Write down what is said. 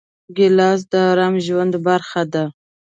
ګیلاس د ارام ژوند برخه ده.